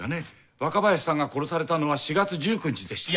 若林さんが殺されたのは４月１９日でしたよ。